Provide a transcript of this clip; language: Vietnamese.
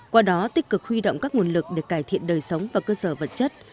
qua đó tích cực huy động các nguồn lực để cải thiện đời sống và cơ sở vật chất